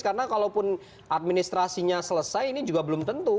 karena kalaupun administrasinya selesai ini juga belum tentu